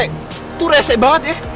gagal keren banget ya